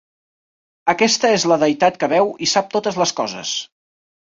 Aquesta és la deïtat que veu i sap totes les coses.